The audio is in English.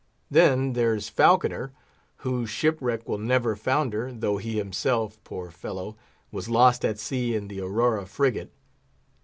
Then, there's Falconer, whose 'Ship wreck' will never founder, though he himself, poor fellow, was lost at sea in the Aurora frigate.